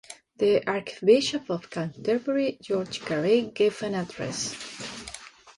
The Archbishop of Canterbury George Carey gave an address.